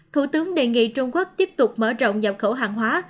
thủ tướng đề nghị trung quốc tiếp tục mở rộng nhập khẩu hàng hóa